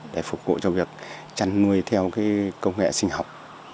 để phục vụ cho việc chăn nuôi theo công nghệ sinh học